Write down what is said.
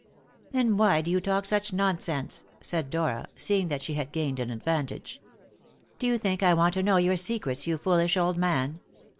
"Then why do you talk such nonsense?" said Dora, seeing that she had gained an advantage. "Do you think I want to know your secrets, you foolish old man?"